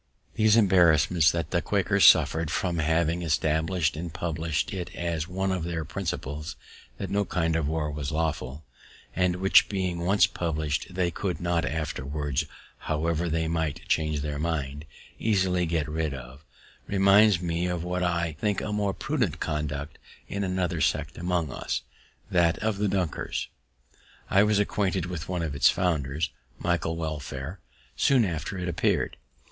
These embarrassments that the Quakers suffer'd from having establish'd and published it as one of their principles that no kind of war was lawful, and which, being once published, they could not afterwards, however they might change their minds, easily get rid of, reminds me of what I think a more prudent conduct in another sect among us, that of the Dunkers. I was acquainted with one of its founders, Michael Welfare, soon after it appear'd.